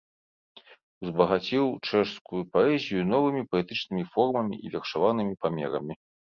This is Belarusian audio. Узбагаціў чэшскую паэзію новымі паэтычнымі формамі і вершаванымі памерамі.